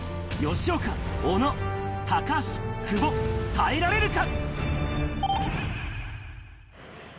吉岡、小野、高橋、久保、耐えられるか？